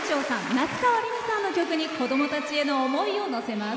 夏川りみさんの曲に子どもたちへの思いをのせます。